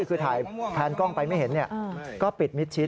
คือถ่ายแพนกล้องไปไม่เห็นก็ปิดมิดชิด